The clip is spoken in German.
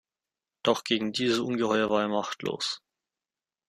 Doch gegen dieses Ungeheuer war er machtlos.